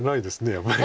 やっぱり。